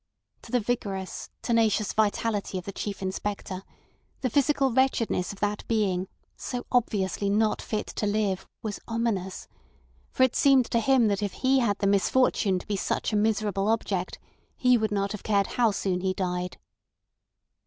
To the vigorous, tenacious vitality of the Chief Inspector, the physical wretchedness of that being, so obviously not fit to live, was ominous; for it seemed to him that if he had the misfortune to be such a miserable object he would not have cared how soon he died.